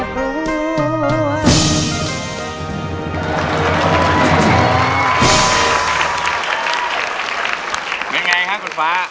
เป็นไงคะคุณฟ้า